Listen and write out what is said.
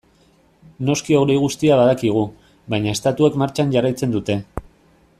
Noski hori guztia badakigu, baina estatuek martxan jarraitzen dute.